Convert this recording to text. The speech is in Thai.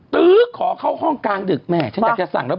ตื้อขอเข้าห้องกลางดึกแม่ฉันอยากจะสั่งแล้ว